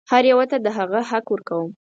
هر یوه ته د هغه حق ورکوم.